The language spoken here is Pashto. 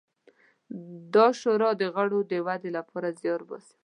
دا شورا د غړو د ودې لپاره زیار باسي.